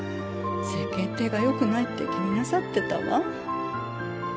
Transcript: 世間体がよくないって気になさってたわ。